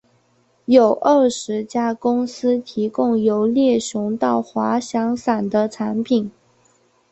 有二十家公司提供由猎熊到滑翔伞的产品。